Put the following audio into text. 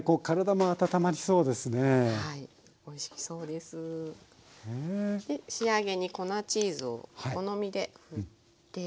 で仕上げに粉チーズをお好みでふって。